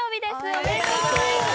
おめでとうございます。